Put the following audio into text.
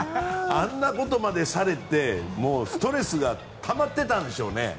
あんなことまでされてもうストレスがたまってたんでしょうね。